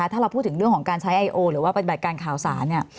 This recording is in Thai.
ถ้าเราพูดถึงเรื่องของการใช้ไอโอหรือว่าเป็นแบบการข่าวสาร